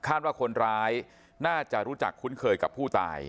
คาดว่าคนร้ายน่าจะคุ้นเคยกับผู้ตาย